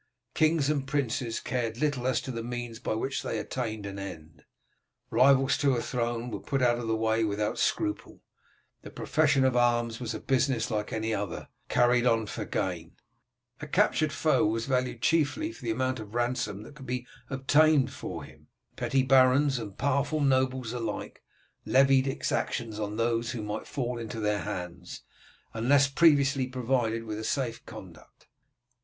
Kings and princes cared little as to the means by which they attained an end. Rivals to a throne were put out of the way without scruple; the profession of arms was a business like any other, carried on for gain; a captured foe was valued chiefly for the amount of ransom that could be obtained for him; petty barons and powerful nobles alike levied exactions on those who might fall into their hands, unless previously provided with a safe conduct.